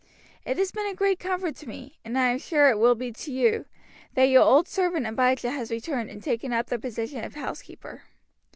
It has been a great comfort to me, and I am sure it will be to you, that your old servant Abijah has returned and taken up the position of housekeeper.